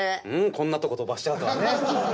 こんなとこ飛ばしちゃうとはね。